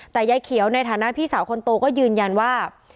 แต่ยายเขียวในฐานะพี่สาวคนโตก็ยืนยันว่า